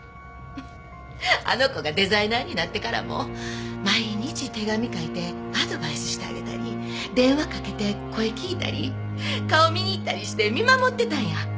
フフッあの子がデザイナーになってからも毎日手紙書いてアドバイスしてあげたり電話かけて声聞いたり顔見に行ったりして見守ってたんや。